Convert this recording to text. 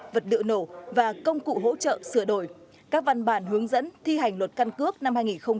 vật liệu nổ và công cụ hỗ trợ sửa đổi các văn bản hướng dẫn thi hành luật căn cước năm hai nghìn hai mươi ba